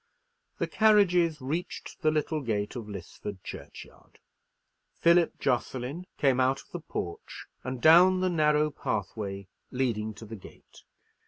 The carriages reached the little gate of Lisford churchyard; Philip Jocelyn came out of the porch, and down the narrow pathway leading to the gate.